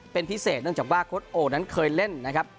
เป็นพิเศษเนื่องจากว่าโค้ดโอนั้นเคยเล่นนะครับ